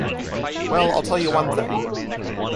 Well, I'll tell you one thing.